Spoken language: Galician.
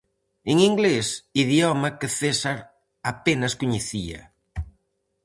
En inglés, idioma que César apenas coñecía.